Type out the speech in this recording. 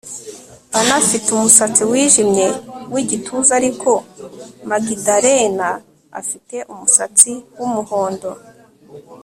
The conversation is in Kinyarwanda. Anna afite umusatsi wijimye wigituza ariko Magdalena afite umusatsi wumuhondo